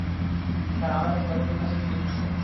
Sir, আমাদের কাছে গত তিন মাসের ডিটেইলস আছে।